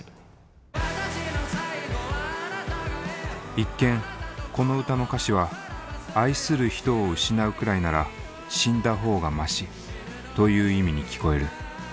一見この歌の歌詞は「愛する人を失うくらいなら死んだほうがマシ」という意味に聞こえる。